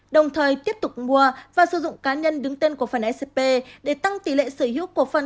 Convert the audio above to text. đồng thời tiếp tục mua và sử dụng cá nhân đứng tên cổ phân scp để tăng tỷ lệ sở hữu cổ phân